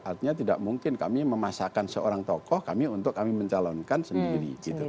artinya tidak mungkin kami memasakkan seorang tokoh kami untuk kami mencalonkan sendiri